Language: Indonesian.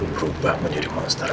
berubah menjadi monster